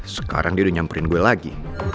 sekarang dia udah nyamperin gue lagi